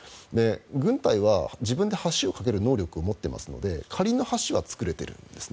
軍隊は自分で橋を架ける能力を持っていますので仮の橋は造れてるんです。